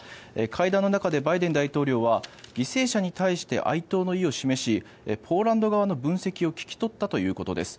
会談の中でバイデン大統領は犠牲者に対して哀悼の意を示しポーランド側の分析を聞き取ったということです。